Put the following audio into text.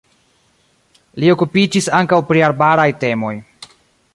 Li okupiĝis ankaŭ pri arbaraj temoj.